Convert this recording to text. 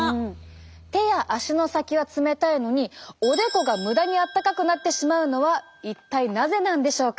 手や足の先は冷たいのにおでこが無駄にあったかくなってしまうのは一体なぜなんでしょうか？